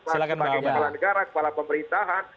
silahkan bang akbar kepala pemerintahan